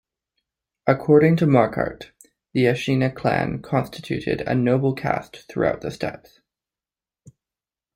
According to Marquart, the Ashina clan constituted a noble caste throughout the steppes.